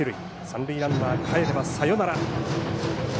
三塁ランナーがかえればサヨナラ。